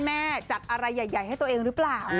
แม่จัดอะไรใหญ่ให้ตัวเองหรือเปล่า